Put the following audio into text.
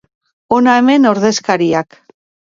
Hona hemen ordezkariak.